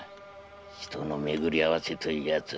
人の巡り会わせというやつは。